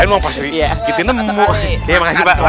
enggak apa apa kita masalah